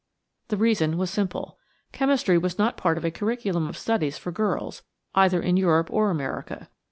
The reason was simple. Chemistry was not a part of the curriculum of studies for girls either in Europe or America.